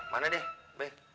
mana deh beh